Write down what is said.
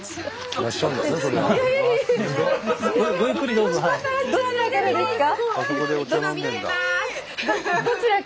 どちらからですか？